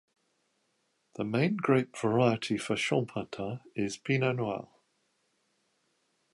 The main grape variety for Chambertin is Pinot noir.